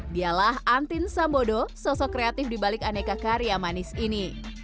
dialah antin sambodo sosok kreatif dibalik aneka karya manis ini